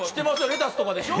レタスとかでしょ